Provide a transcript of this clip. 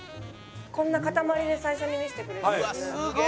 こんな塊で最初に見せてくれるんですね。